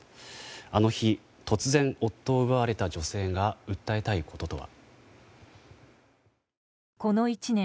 あの日、突然夫を奪われた女性が訴えたいこととは。